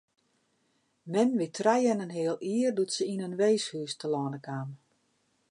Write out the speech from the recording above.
Mem wie trije en in heal jier doe't se yn in weeshûs telâne kaam.